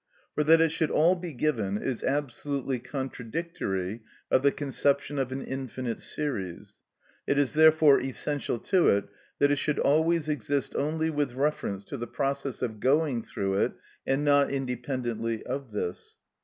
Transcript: For that it should all be given is absolutely contradictory of the conception of an infinite series. It is therefore essential to it that it should always exist only with reference to the process of going through it, and not independently of this.